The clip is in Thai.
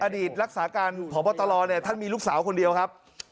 อดีตรักษาการของพ่อเบาะตะลอท่านมีลูกสาวคนเดียวครับ